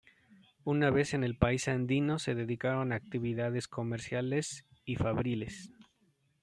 Una vez en el país andino se dedicaron a actividades comerciales y fabriles.